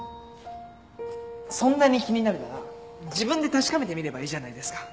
そんなに気になるなら自分で確かめてみればいいじゃないですか。